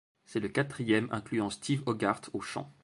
C'est le quatrième incluant Steve Hogarth au chant.